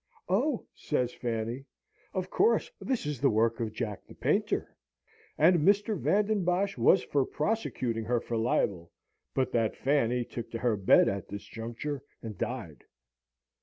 "Oh," says Fanny, "of course this is the work of Jack the Painter!" And Mr. Van den Bosch was for prosecuting her for libel, but that Fanny took to her bed at this juncture, and died.